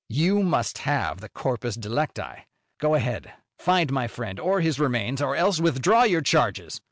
"You must have the corpus delicti. Go ahead! Find my friend or his remains, or else withdraw your charges."